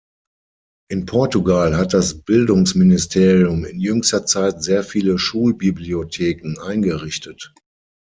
In Portugal hat das Bildungsministerium in jüngster Zeit sehr viele Schulbibliotheken eingerichtet.